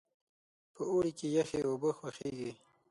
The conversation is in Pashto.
په اوړي کې یخې اوبه خوښیږي.